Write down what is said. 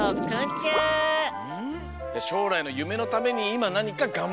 しょうらいのゆめのためにいまなにかがんばってるってことだね。